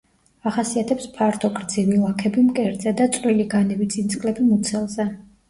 ახასიათებს ფართო გრძივი ლაქები მკერდზე და წვრილი განივი წინწკლები მუცელზე.